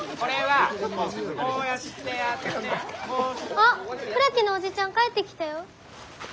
あっ倉木のおじちゃん帰ってきたよ。